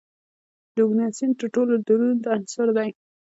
د اوګانیسون تر ټولو دروند عنصر دی.